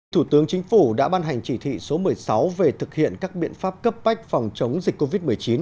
thủ tướng chính phủ đã ban hành chỉ thị số một mươi sáu về thực hiện các biện pháp cấp bách phòng chống dịch covid một mươi chín